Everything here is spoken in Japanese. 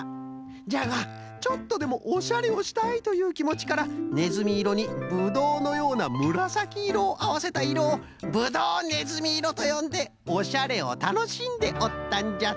じゃがちょっとでもおしゃれをしたいというきもちからねずみいろにぶどうのようなむらさきいろをあわせたいろをぶどうねずみいろとよんでおしゃれをたのしんでおったんじゃと。